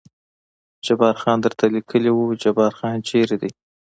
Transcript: جبار خان درته لیکلي و، جبار خان چېرې دی؟